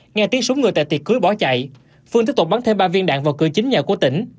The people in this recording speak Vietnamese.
nghe tiếng súng người tại tiệc cưới bỏ chạy phương tiếp tục bắn thêm ba viên đạn vào cửa chính nhà của tỉnh